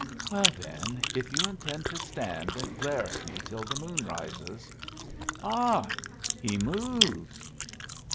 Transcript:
Well, then, if you intend to stand and glare at me till the moon rises Ah! he moves!"